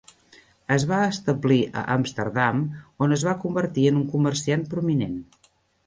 Es va establir a Amsterdam, on es va convertir en un comerciant prominent.